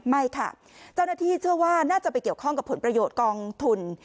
ไม่ค่ะเจ้าหน้าที่เชื่อว่าน่าจะไปเกี่ยวข้องกับผลประโยชน์กองทุน